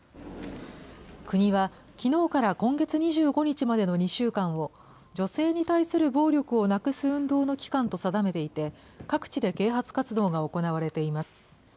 国は、きのうから今月２５日までの２週間を、女性に対する暴力をなくす運動の期間と定めていて、各地で啓発活動が行われています。